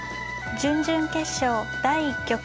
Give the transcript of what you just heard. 準々決勝第１局。